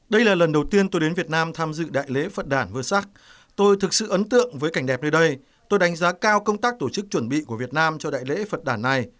đây là lần đầu tiên tôi đến việt nam tham dự đại lễ phật đàn vơ sắc tôi thực sự ấn tượng với cảnh đẹp nơi đây tôi đánh giá cao công tác tổ chức chuẩn bị của việt nam cho đại lễ phật đàn này